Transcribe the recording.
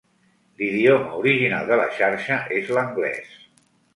L'idioma original de la xarxa és l'anglès.